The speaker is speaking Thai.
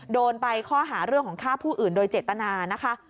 โดนไปข้อหาเรื่องของฆ่าผู้อื่นโดยเจตนานะคะ